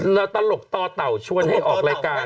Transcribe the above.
แล้วตลกต่อเต่าชวนให้ออกรายการ